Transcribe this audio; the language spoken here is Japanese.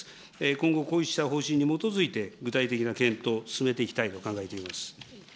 今後、こういった方針に基づいて、具体的な検討を進めていきたいと考えています。